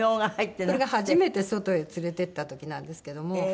これが初めて外へ連れていった時なんですけども。